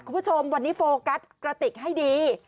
คุณผู้ชมวันนี้โฟกัสกระติกให้ดี